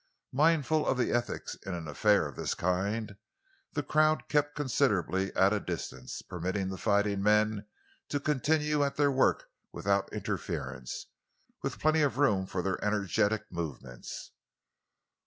Mindful of the ethics in an affair of this kind, the crowd kept considerately at a distance, permitting the fighting men to continue at their work without interference, with plenty of room for their energetic movements.